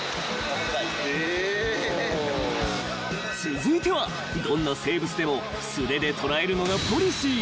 ［続いてはどんな生物でも素手で捕らえるのがポリシー］